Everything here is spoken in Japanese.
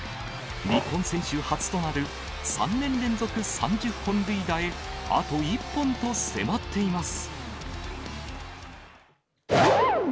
日本選手初となる、３年連続３０本塁打へ、あと１本と迫っています。